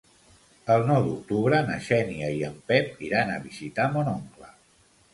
El nou d'octubre na Xènia i en Pep iran a visitar mon oncle.